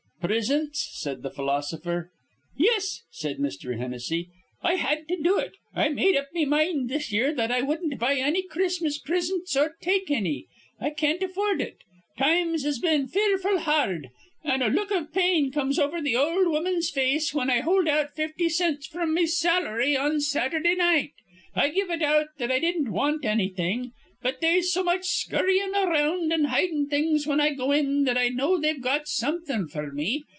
"Prisints?" said the philosopher. "Yis," said Mr. Hennessy. "I had to do it. I med up me mind this year that I wudden't buy anny Chris'mas prisints or take anny. I can't afford it. Times has been fearful ha ard, an' a look iv pain comes over th' ol' woman's face whin I hold out fifty cints fr'm me salary on Saturdah night. I give it out that I didn't want annything, but they'se so much scurryin' ar round an' hidin' things whin I go in that I know they've got something f'r me.